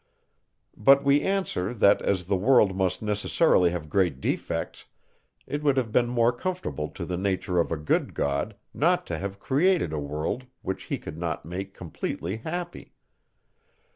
But we answer, that, as the world must necessarily have great defects, it would have been more conformable to the nature of a good God, not to have created a world, which he could not make completely happy.